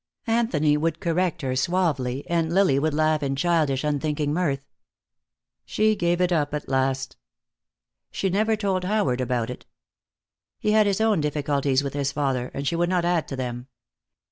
Anthony would correct her suavely, and Lily would laugh in childish, unthinking mirth. She gave it up at last. She never told Howard about it. He had his own difficulties with his father, and she would not add to them.